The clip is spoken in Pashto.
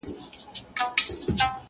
بل زورور دي په ښارونو کي په دار کي خلک،